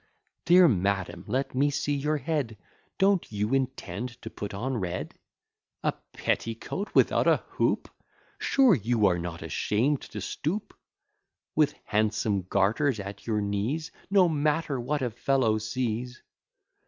Dear madam, let me see your head: Don't you intend to put on red? A petticoat without a hoop! Sure, you are not ashamed to stoop! With handsome garters at your knees, No matter what a fellow sees.